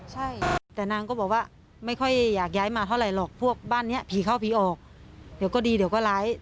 ใช่แต่นางก็บอกว่าไม่ค่อยอยากย้ายมาเท่าไหร่หรอกพวกบ้านนี้ผีเข้าผีออกเดี๋ยวก็ดีเดี๋ยวก็ร้าย